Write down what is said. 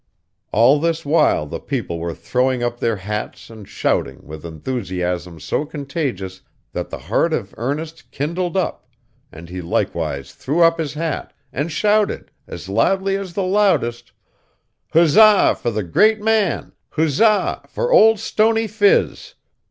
All this while the people were throwing up their hats and shouting, with enthusiasm so contagious that the heart of Ernest kindled up, and he likewise threw up his hat, and shouted, as loudly as the loudest, 'Huzza for the great man! Huzza for Old Stony Phiz!